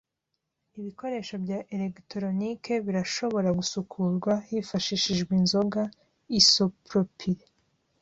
Ibikoresho bya elegitoronike birashobora gusukurwa hifashishijwe inzoga isopropyl.